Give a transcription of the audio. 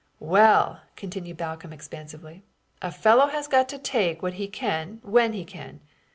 "Well," continued Balcomb, expansively, "a fellow has got to take what he can when he can.